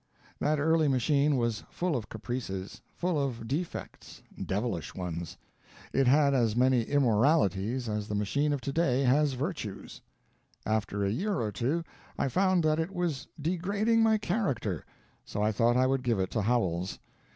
That early machine was full of caprices, full of defects devilish ones. It had as many immoralities as the machine of today has virtues. After a year or two I found that it was degrading my character, so I thought I would give it to Howells.